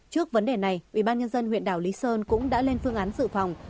trước vấn đề này ubnd huyện đảo lý sơn cũng đã lên phương án dự phòng